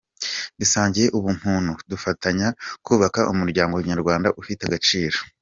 Dusangiye ubumuntu, dufatanye kubaka umuryango nyarwanda ufite agaciro.”